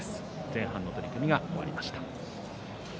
前半の取組が終わりました。